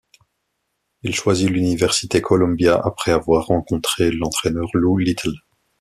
Il choisit l'Université Columbia après avoir rencontré l'entraineur Lou Little.